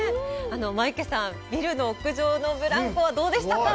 マイケさん、ビルの屋上のブランコはどうでしたか？